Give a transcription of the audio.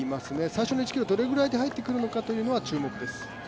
最初の１ｋｍどれぐらいで入ってくるのかが注目です。